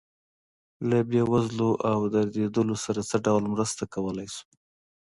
له بې وزلو او دردېدلو سره څه ډول مرسته کولی شو.